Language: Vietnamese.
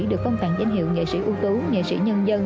được phong tặng danh hiệu nghệ sĩ ưu tú nghệ sĩ nhân dân